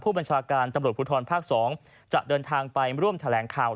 บัญชาการตำรวจภูทรภาค๒จะเดินทางไปร่วมแถลงข่าว